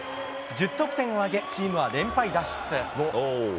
１０得点を挙げチームは連敗脱出。